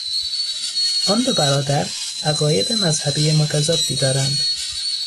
آن دو برادر عقاید مذهبی متضادی دارند.